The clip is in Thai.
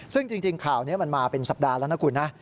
ซึ่งจริงข่าวนี้มันมาเป็นสัปดาห์แล้วนะคุณนะ